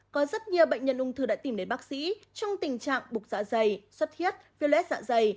có rất nhiều bệnh nhân ung thư đã tìm đến bác sĩ trong tình trạng bục dạ dày xuất hiết phiêu lết dạ dày